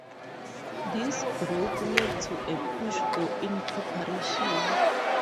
This growth led to a push for incorporation.